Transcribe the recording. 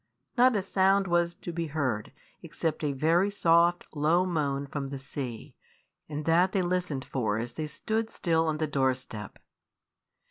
Not a sound was to be heard, except a very soft, low moan from the sea, and that they listened for as they stood still on the doorstep.